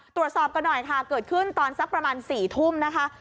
ตรวจสอบกันหน่อยค่ะเกิดขึ้นตอนสักประมาณ๔ทุ่มนะคะ